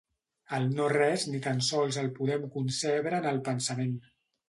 El no-res ni tan sols el podem concebre en el pensament.